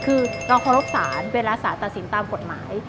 คือเราเคารพศาลเวลาสารตัดสินตามกฎหมาย